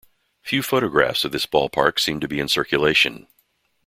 Few photographs of this ballpark seem to be in circulation.